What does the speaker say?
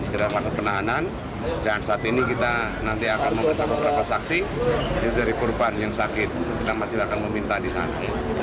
tidak ada penahanan dan saat ini kita nanti akan membuat beberapa saksi dari perubahan yang sakit yang masih akan meminta di sana